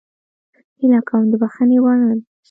هیله کوم د بخښنې وړ نه ده.